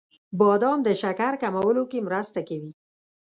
• بادام د شکر کمولو کې مرسته کوي.